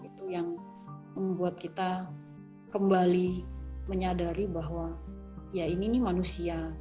itu yang membuat kita kembali menyadari bahwa ya ini manusia